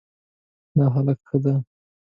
دا هلک ښه ده